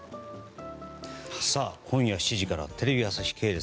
今夜７時からテレビ朝日系列